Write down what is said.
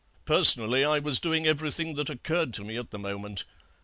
"Personally I was doing everything that occurred to me at the moment.